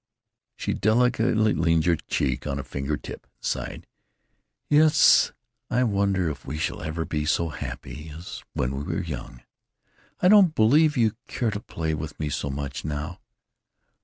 " She delicately leaned her cheek on a finger tip and sighed: "Yes, I wonder if we shall ever be so happy as when we were young.... I don't believe you care to play with me so much now."